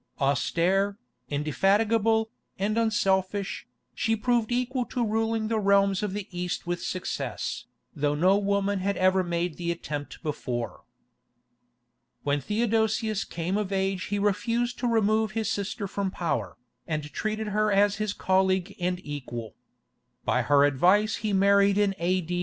Austere, indefatigable, and unselfish, she proved equal to ruling the realms of the East with success, though no woman had ever made the attempt before. When Theodosius came of age he refused to remove his sister from power, and treated her as his colleague and equal. By her advice he married in A.D.